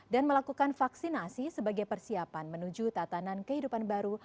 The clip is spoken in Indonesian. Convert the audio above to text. dan melakukan vaksinasi sebagai persiapan menuju tatanan kehidupan baru